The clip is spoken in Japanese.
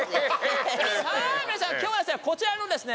さあ皆さん今日はですねこちらのですね